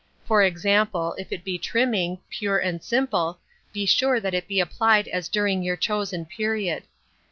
For example, if it be trimming, pure and simple, be sure that it be applied as during your chosen period.